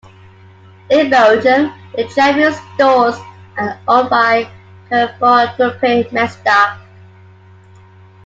In Belgium, the Champion stores are owned by Carrefour and Groupe Mestdagh.